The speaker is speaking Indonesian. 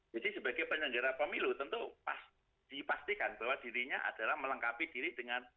jadi sebagai penyelenggara pemilu tentu dipastikan bahwa dirinya adalah melengkapi diri dengan